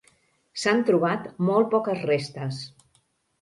S'han trobat molt poques restes.